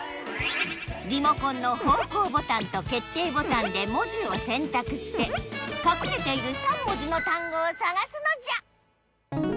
リモコンの方向ボタンと決定ボタンで文字をせんたくしてかくれている３文字の単語をさがすのじゃ！